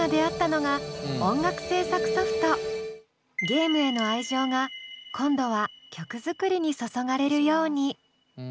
ゲームへの愛情が今度は曲作りに注がれるように。